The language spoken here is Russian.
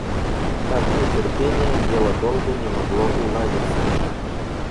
От нетерпения дело долго не могло уладиться.